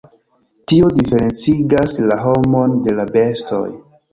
Tio diferencigas la homon de la bestoj.